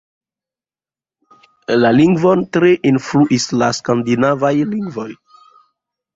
La lingvon tre influis la skandinavaj lingvoj.